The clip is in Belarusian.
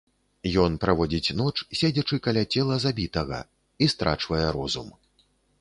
Ён праводзіць ноч, седзячы каля цела забітага, і страчвае розум.